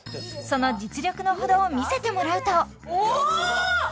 その実力のほどを見せてもらうとおおっ！